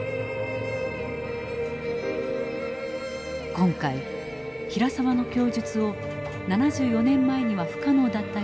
今回平沢の供述を７４年前には不可能だった技術で解析を試みた。